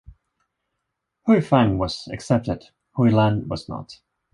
Huifang was accepted; Huilan was not.